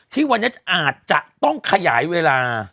ที่วันนี้อาจจะต้องขยายเวลา